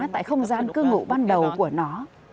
tại không gian cư ngụ ban đầu của nó